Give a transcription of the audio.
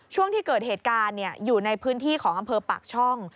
ช่วงที่เกิดเหตุการณ์อยู่ในพื้นที่ของอำเภอปากช่อง